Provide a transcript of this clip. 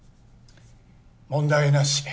問題なし。